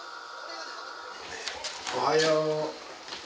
おはよう。